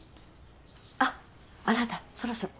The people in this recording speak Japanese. あっあなたそろそろ。